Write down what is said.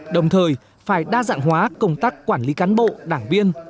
đồng thời phải đa dạng hóa công tác quản lý cán bộ đảng viên